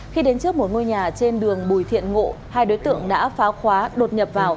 khi đến trước một ngôi nhà trên đường bùi thiện ngộ hai đối tượng đã phá khóa đột nhập vào